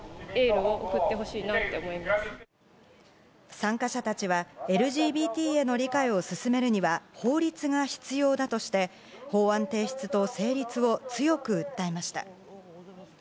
参加者たちはＬＧＢＴへの理解を進めるには法律が必要だとして法案提出と成立を強く訴えました。